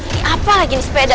ini apa lagi ini sepeda